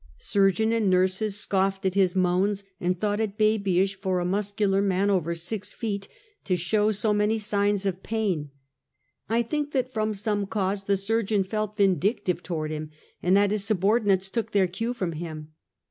Surgeon and nurses scoffed at his moans, and thought it babyish for a muscular man over six feet to show so many signs of pain. I think that from some cause, the surgeon felt vindictive toward him, and that his subordinates took their cue from him.